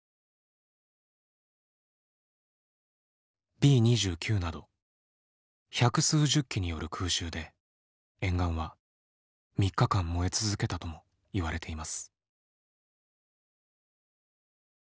Ｂ−２９など百数十機による空襲で沿岸は３日間燃え続けたともいわれています。